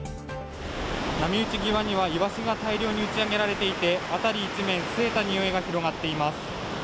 波打ち際にはいわしが大量に打ち上げられていて、辺り一面、すえた匂いが広がっています。